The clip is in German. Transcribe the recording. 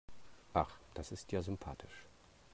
Ach, das ist ja sympathisch.